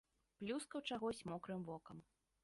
Плюскаў чагось мокрым вокам.